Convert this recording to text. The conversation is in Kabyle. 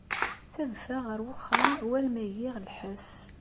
Ttadfeɣ ɣer uxxam war ma giɣ lḥess.